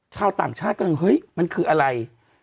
ชาวต่างชาติกำลังเฮ้ยมันคืออะไร